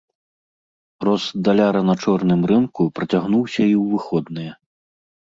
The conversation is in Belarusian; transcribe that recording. Рост даляра на чорным рынку працягнуўся і ў выходныя.